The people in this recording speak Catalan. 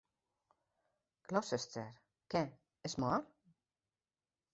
"Gloucester": Què, és mort?